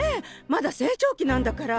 まだ成長期なんだから。